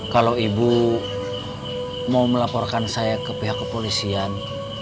kalau ibu mau melaporkan saya ke pihak kepolisian